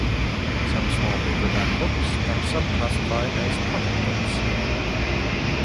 Some small paperback books are sub-classified as pocketbooks.